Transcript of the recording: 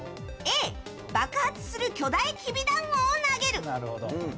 Ａ、爆発する巨大きびだんごを投げる。